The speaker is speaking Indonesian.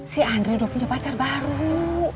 si andre udah punya pacar baru